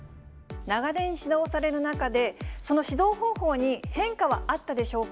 長年、指導される中で、その指導方法に変化はあったでしょうか。